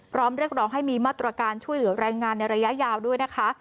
เรียกร้องให้มีมาตรการช่วยเหลือแรงงานในระยะยาวด้วยนะคะ